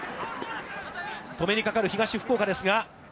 止めにかかる東福岡ですが。